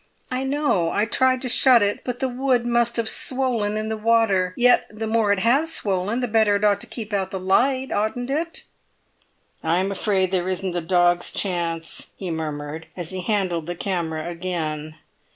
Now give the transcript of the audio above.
"I know. I tried to shut it, but the wood must have swollen in the water. Yet the more it has swollen, the better it ought to keep out the light, oughtn't it?" "I'm afraid there isn't a dog's chance," he murmured, as he handled the camera again.